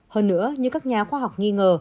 hơn nữa như các nhà khoa học nghi ngờ